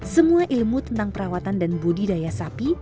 semua ilmu tentang perawatan dan budidaya sapi